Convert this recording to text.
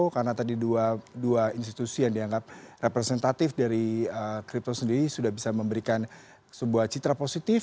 karena tadi dua institusi yang dianggap representatif dari kripto sendiri sudah bisa memberikan sebuah citra positif